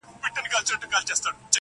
یو ګیدړ کښته له مځکي ورکتله.!